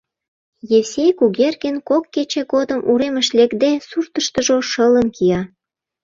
Евсей Кугергин, кок кече годым уремыш лекде, суртыштыжо шылын кия.